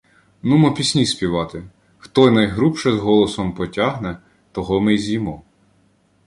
- Нумо пісні співати. Хто найгрубше голосом потягне, того ми й з'їмо.